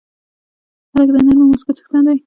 هلک د نرمې موسکا څښتن دی.